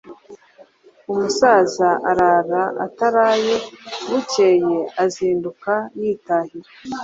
Umusaza arara ataraye, bukeye azinduka yitahira.